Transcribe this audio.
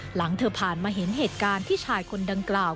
หลังเธอผ่านมาเห็นเหตุการณ์ที่ชายคนดังกล่าว